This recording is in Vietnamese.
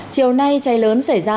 chiều nay cháy lớn xảy ra